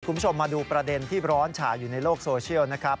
คุณผู้ชมมาดูประเด็นที่ร้อนฉายอยู่ในโลกโซเชียลนะครับ